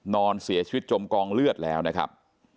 นอนเสียชีวิตจมกองเลือดแล้วนะครับ